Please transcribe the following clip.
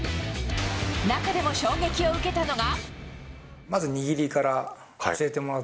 中でも衝撃を受けたのが。